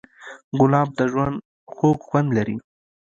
ګلاب د ژوند خوږ خوند لري.